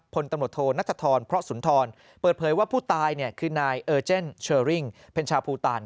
ผลตำรวจโทรนักษทธรณ์พระสุนธรณ์เปิดเผยว่าผู้ตายคือนายเอิร์เจนเชอร์ริ้งเพชาพูตาล